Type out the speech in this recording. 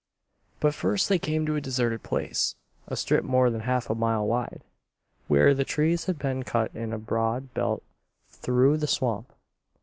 But first they came to a deserted place, a strip more than half a mile wide, where the trees had been cut in a broad belt through the swamp.